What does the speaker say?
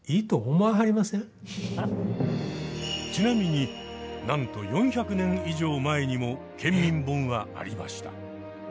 ちなみになんと４００年以上前にも県民本はありました。